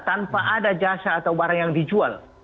tanpa ada jasa atau barang yang dijual